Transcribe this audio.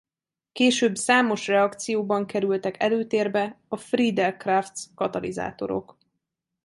Később számos reakcióban kerültek előtérbe a Friedel–Crafts katalizátorok.